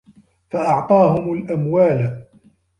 فَأَعْطَاهُمْ الْأَمْوَالَ